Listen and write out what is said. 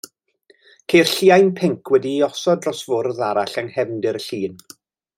Ceir lliain pinc wedi'i osod dros fwrdd arall yng nghefndir y llun.